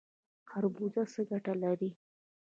خربوزه څه ګټه لري؟